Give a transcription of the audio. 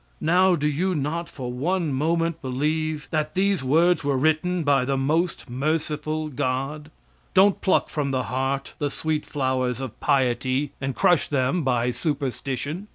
Now do you not for one moment believe that these words were written by the most merciful God. Don't pluck from the heart the sweet flowers of piety and crush them by superstition.